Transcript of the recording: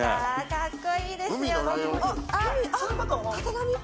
かっこいいですよねあっ！